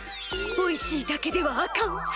おいしいだけではあかん。